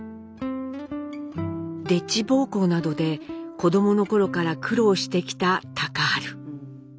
でっち奉公などで子どもの頃から苦労してきた隆治。